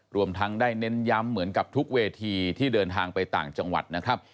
รวมทั้งได้เน้นย้ำเหมือนกับทุกเวทีที่เดินทางไปต่างจังหวัดนะครับ